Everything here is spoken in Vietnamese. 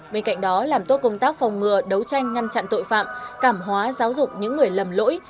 bên cạnh đó làm tốt công tác phòng ngừa đấu tranh ngăn chặn tội phạm cảm hóa giáo dục những người lầm lỗi